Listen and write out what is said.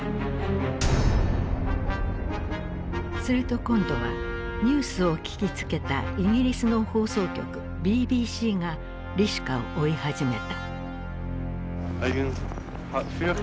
すると今度はニュースを聞きつけたイギリスの放送局ＢＢＣがリシュカを追い始めた。